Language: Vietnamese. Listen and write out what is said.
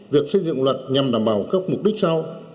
việc xây dựng luật nhằm đảm bảo các mục đích sau